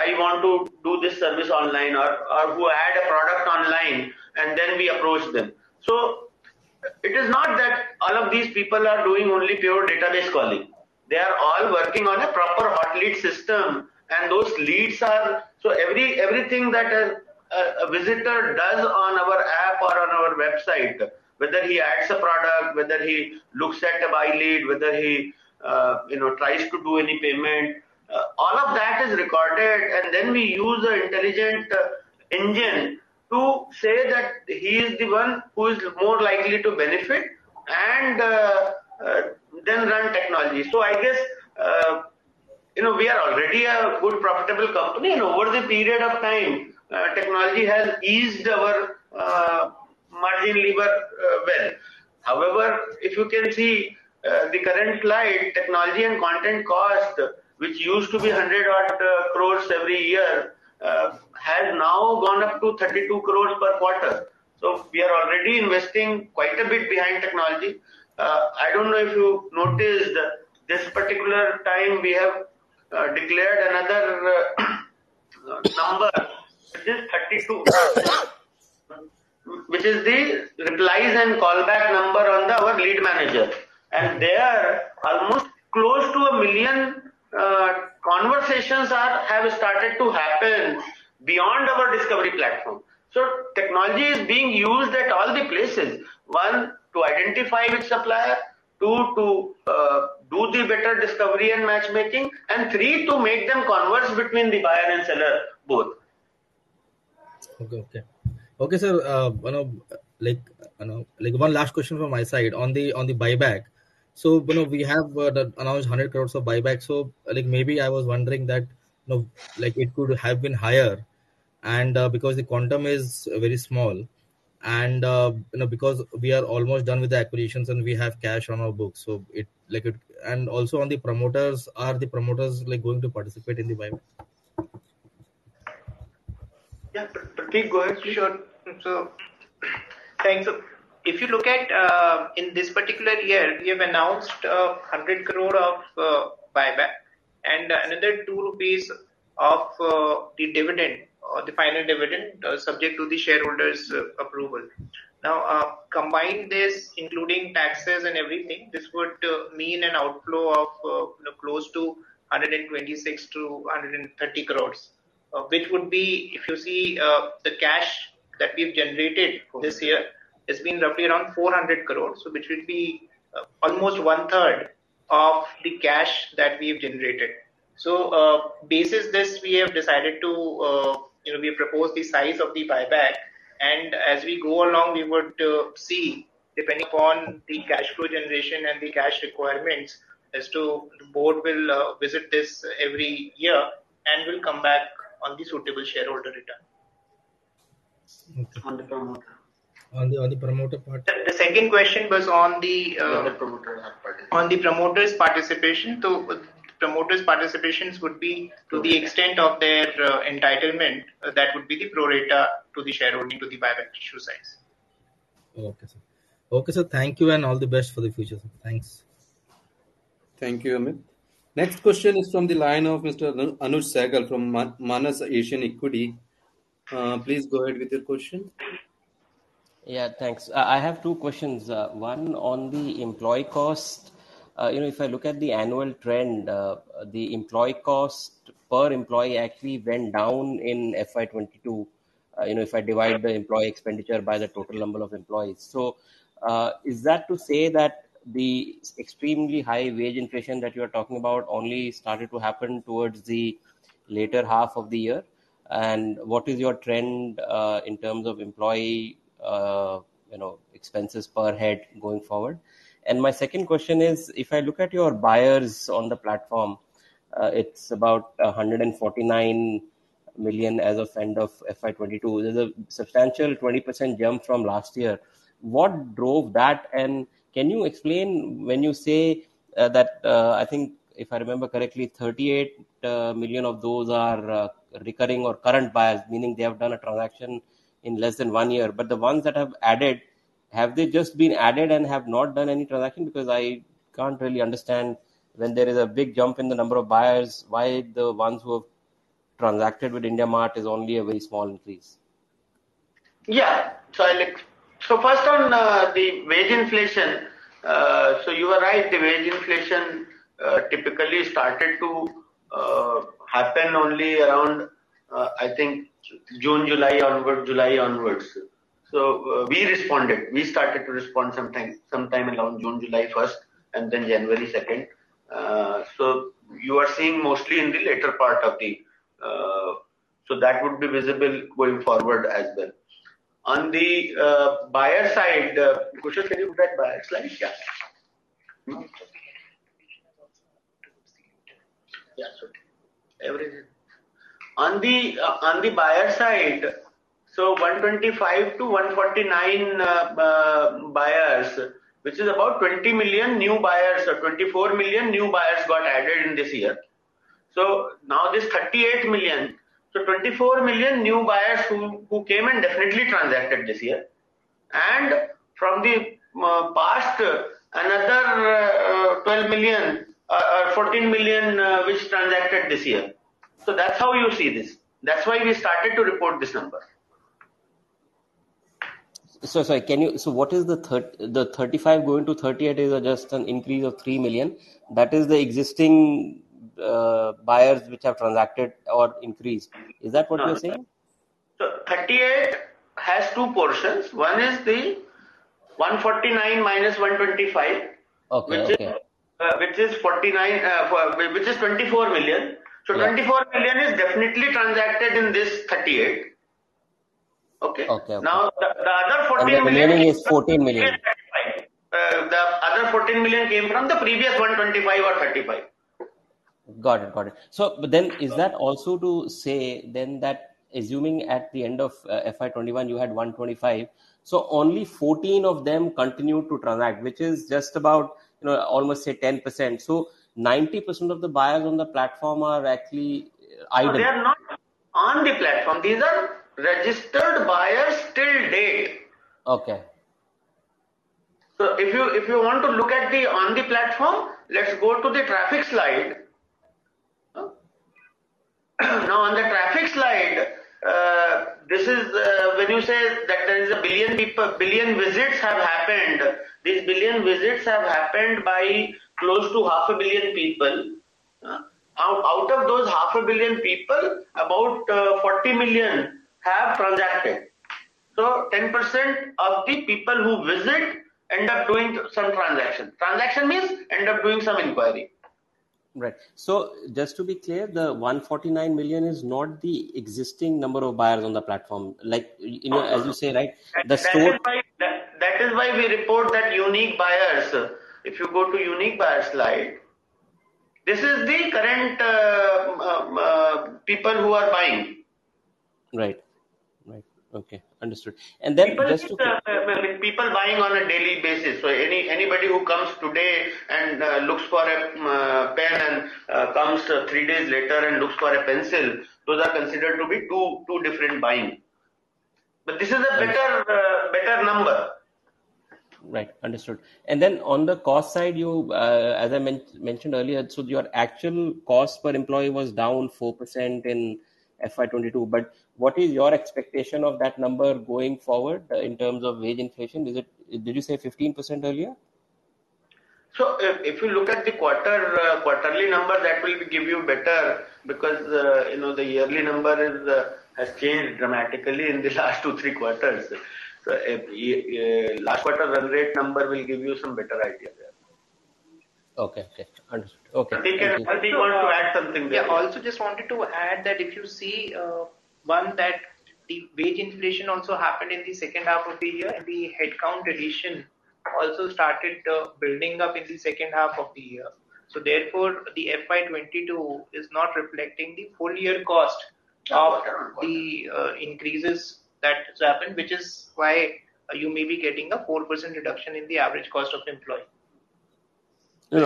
"I want to do this service online," or who add a product online and then we approach them. It is not that all of these people are doing only pure database calling. They are all working on a proper hot lead system, and those leads are. Everything that a visitor does on our app or on our website, whether he adds a product, whether he looks at a buy lead, whether he tries to do any payment, all of that is recorded and then we use an intelligent engine to say that he is the one who is more likely to benefit and then run technology. I guess, you know, we are already a good profitable company and over the period of time, technology has eased our margin leverage as well. However, if you can see the current slide, technology and content cost, which used to be 100-odd crore every year, has now gone up to 32 crore per quarter. We are already investing quite a bit behind technology. I don't know if you noticed this particular time we have declared another number, which is 32, the replies and callback number on our lead manager. There are almost close to 1 million conversations have started to happen beyond our discovery platform. Technology is being used at all the places. One, to identify which supplier. Two, to do better discovery and matchmaking. Three, to make them converse between the buyer and seller both. Okay, sir, you know, like, you know, like one last question from my side on the buyback. You know, we have announced 100 crore of buyback. Like, maybe I was wondering that, you know, like, it could have been higher and because the quantum is very small and you know, because we are almost done with the acquisitions and we have cash on our books. It, like, also on the promoters, are the promoters, like, going to participate in the buyback? Yeah. Prateek, go ahead, please. Sure. Thanks. If you look at, in this particular year, we have announced, 100 crore of buyback and another 2 rupees of the dividend or the final dividend, subject to the shareholders', approval. Now, combine this including taxes and everything, this would mean an outflow of, you know, close to 126 crore-130 crore. Which would be, if you see, the cash that we've generated this year, it's been roughly around 400 crore. Which will be, almost 1/3 of the cash that we've generated. Based on this we have decided to, you know, we have proposed the size of the buyback and as we go along we would see, depending upon the cash flow generation and the cash requirements as to how the board will revisit this every year and will come back on the suitable shareholder return. On the promoter. On the promoter part. The second question was on the On the promoter part. On the promoters' participation. Promoters' participation would be to the extent of their entitlement, that would be the pro rata to the shareholder, to the buyback issue size. Okay, sir. Okay, sir. Thank you and all the best for the future, sir. Thanks. Thank you, Amit. Next question is from the line of Mr. Anuj Sehgal from Manas Asian Equity. Please go ahead with your question. Yeah, thanks. I have two questions. One on the employee cost, you know, if I look at the annual trend, the employee cost per employee actually went down in FY 2022, you know, if I divide the employee expenditure by the total number of employees. Is that to say that the extremely high wage inflation that you are talking about only started to happen towards the later half of the year, and what is your trend in terms of employee, you know, expenses per head going forward? My second question is, if I look at your buyers on the platform, it's about 149 million as of end of FY 2022. There's a substantial 20% jump from last year. What drove that, and can you explain when you say that I think if I remember correctly, 38 million of those are recurring or current buyers, meaning they have done a transaction in less than one year. The ones that have added, have they just been added and have not done any transaction? Because I can't really understand when there is a big jump in the number of buyers, why the ones who have transacted with IndiaMART is only a very small increase. First on the wage inflation. You are right, the wage inflation typically started to happen only around, I think, June, July onward, July onwards. We responded. We started to respond sometime around June, July first and then January second. You are seeing mostly in the later part of the. That would be visible going forward as well. On the buyer side, Kushal, can you put that buyer slide? Yeah. Yeah, sure. Everything. On the buyer side, so 125-149 buyers, which is about 20 million new buyers or 24 million new buyers got added in this year. Now this 38 million. 24 million new buyers who came and definitely transacted this year. From the past, another 12 million, 14 million which transacted this year. That's how you see this. That's why we started to report this number. What is the 35 going to 38 is just an increase of 3 million. That is the existing buyers which have transacted or increased. Is that what you're saying? No. 38 has two portions. One is the 149 minus 125. Okay. Okay. Which is 49, which is 24 million. Yeah. 24 million is definitely transacted in this 38. Okay? Okay. Okay. Now, the other 14 million. The remaining is 14 million. The other 14 million came from the previous 125 or 135. Got it. Is that also to say that assuming at the end of FY 2021, you had 125, so only 14 of them continued to transact, which is just about, you know, almost say 10%. Ninety percent of the buyers on the platform are actually idle. They are not on the platform. These are registered buyers till date. Okay. If you want to look at the on the platform, let's go to the traffic slide. Now on the traffic slide, this is when you say that there are 1 billion visits have happened, these 1 billion visits have happened by close to half a billion people. Out of those half a billion people, about 40 million have transacted. 10% of the people who visit end up doing some transaction. Transaction means end up doing some inquiry. Right. Just to be clear, the 149 million is not the existing number of buyers on the platform. Like, you know, as you say, right, the store- That is why we report that unique buyers. If you go to unique buyer slide. This is the current people who are buying. Right. Okay. Understood. People buying on a daily basis. Anybody who comes today and looks for a pen and comes three days later and looks for a pencil, those are considered to be two different buying. This is a better number. Right. Understood. Then on the cost side, you, as I mentioned earlier, so your actual cost per employee was down 4% in FY 22, but what is your expectation of that number going forward in terms of wage inflation? Did you say 15% earlier? If you look at the quarterly number, that will give you better because, you know, the yearly number has changed dramatically in the last two, three quarters. If last quarter run rate number will give you some better idea there. Okay. Understood. Okay. Kushal, do you want to add something there? Yeah. Just wanted to add that if you see, one that the wage inflation also happened in the second half of the year. The headcount addition also started, building up in the second half of the year. Therefore, the FY 2022 is not reflecting the full year cost of the, increases that has happened, which is why you may be getting a 4% reduction in the average cost of employee.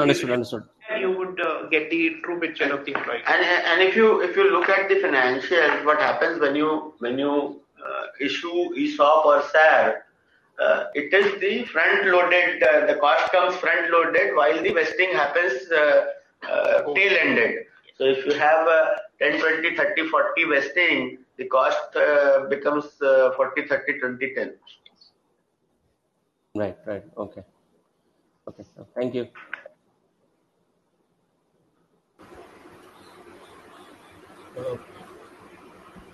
Understood. You would get the true picture of the employee. If you look at the financials, what happens when you issue ESOP or SAR, it is the front-loaded, the cost comes front-loaded while the vesting happens tail-ended. If you have 10, 20, 30, 40 vesting, the cost becomes 40, 30, 20, 10. Right. Okay, sir. Thank you.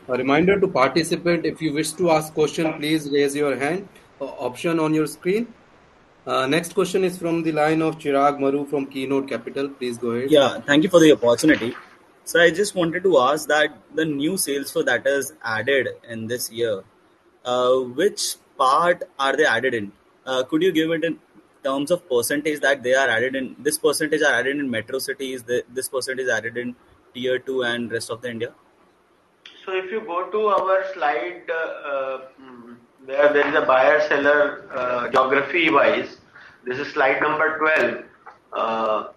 A reminder to participate, if you wish to ask question, please raise your hand, option on your screen. Next question is from the line of Chirag Maroo from Keynote Capital. Please go ahead. Yeah. Thank you for the opportunity. Sir, I just wanted to ask that the new sales force that is added in this year, which part are they added in? Could you give it in terms of percentage that they are added in? This percentage are added in metro cities, this percentage added in tier two and rest of the India? If you go to our slide where there's a buyer-seller geography-wise, this is slide number 12.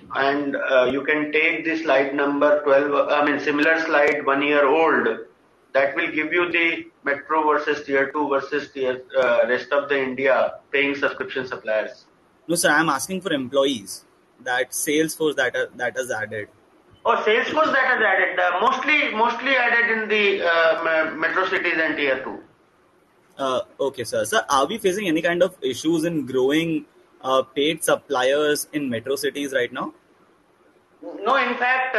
You can take the slide number 12, I mean similar slide one year old, that will give you the metro vs Tier 2 vs Tier 3, rest of India paying subscription suppliers. No, sir, I'm asking for employees. That sales force that is added. Sales force that is added, mostly added in the metro cities and tier two. Okay, sir. Sir, are we facing any kind of issues in growing paid suppliers in metro cities right now? No, in fact,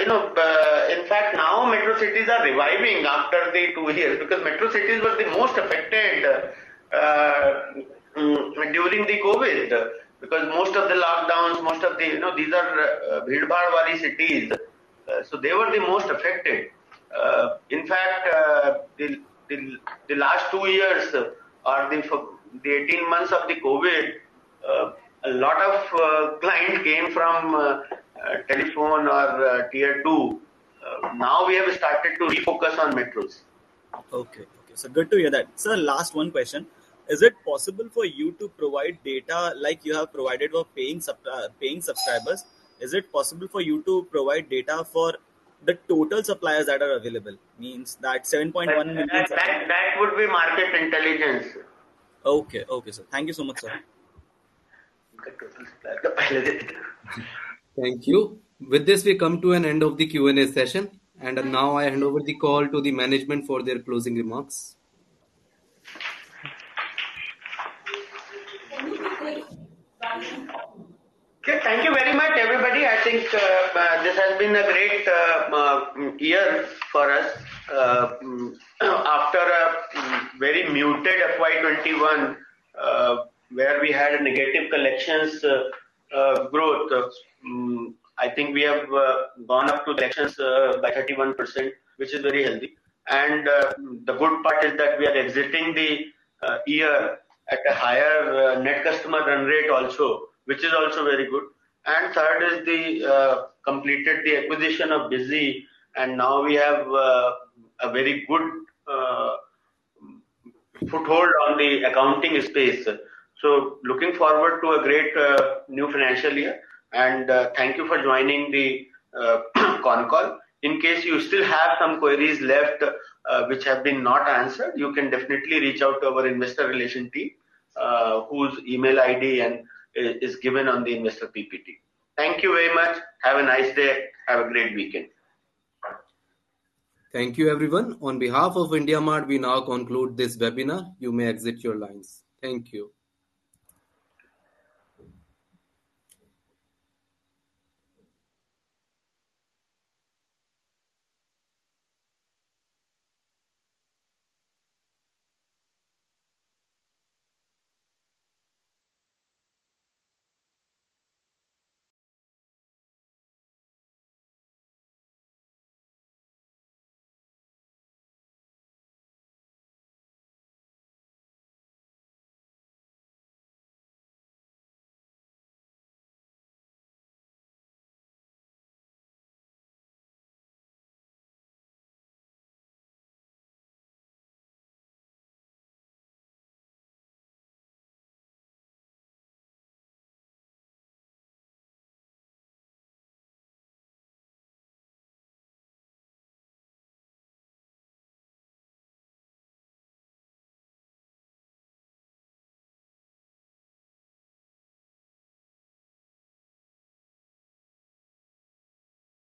you know, in fact now metro cities are reviving after the two years, because metro cities were the most affected during the COVID, because most of the lockdowns, most of the, you know, these are cities, so they were the most affected. In fact, the last two years or the 18 months of the COVID, a lot of client came from Tier 1 or Tier 2. Now we have started to refocus on metros. Okay. Okay. Good to hear that. Sir, last one question. Is it possible for you to provide data like you have provided for paying subscribers? Is it possible for you to provide data for the total suppliers that are available? Means that 7.1 million suppliers. That would be market intelligence. Okay, sir. Thank you so much, sir. Thank you. With this, we come to an end of the Q&A session, and now I hand over the call to the management for their closing remarks. Okay. Thank you very much, everybody. I think this has been a great year for us. You know, after a very muted FY 2021, where we had a negative collections growth, I think we have gone up to collections by 31%, which is very healthy. The good part is that we are exiting the year at a higher net customer run rate also, which is also very good. Third, we completed the acquisition of Busy, and now we have a very good foothold on the accounting space. Looking forward to a great new financial year, and thank you for joining the conference call. In case you still have some queries left, which have not been answered, you can definitely reach out to our investor relations team, whose email ID is given on the investor PPT. Thank you very much. Have a nice day. Have a great weekend. Thank you, everyone. On behalf of IndiaMART, we now conclude this webinar. You may exit your lines. Thank you.